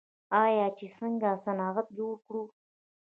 آیا چې څنګه صنعت جوړ کړو؟